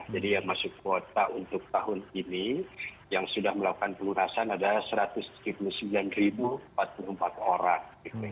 jadi yang masuk kuota untuk tahun ini yang sudah melakukan perlunasan adalah satu ratus tiga puluh sembilan empat puluh empat orang